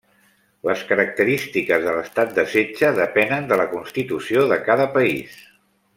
Les característiques de l'estat de setge depenen de la constitució de cada país.